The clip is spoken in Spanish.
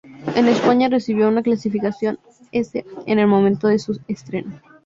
En España recibió una clasificación "S" en el momento de su estreno.